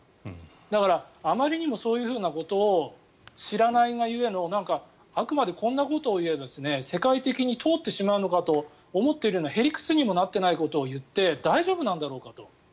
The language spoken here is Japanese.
だからあまりにもそういうことを知らないが故のあくまでこんなことを言えば世界的に通ってしまうのかと思っているような屁理屈にもなってないことを言って大丈夫なんだろうかと。